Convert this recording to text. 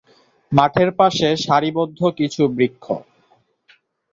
মাঠের পাশে সারি বদ্ধ কিছু বৃক্ষ।